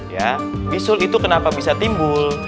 ya bisul itu kenapa bisa timbul